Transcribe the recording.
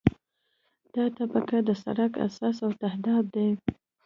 دا طبقه د سرک اساس او تهداب دی